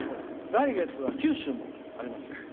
来月は九州もありますよ。